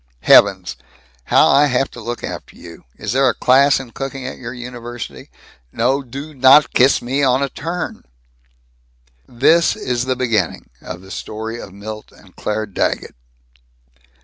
Heavens, how I have to look after you! Is there a class in cooking at your university? No do not kiss me on a turn!" This is the beginning of the story of Milt and Claire Daggett.